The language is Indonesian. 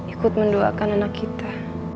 ikut mendoakan anak kita